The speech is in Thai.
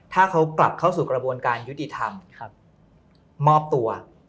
ถ้าเขากลับเข้าสู่กระบวนการยุติธรรมมอบตัว